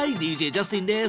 ＤＪジャスティンです。